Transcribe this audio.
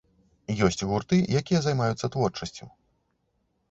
Ёсць гурты, якія займаюцца творчасцю.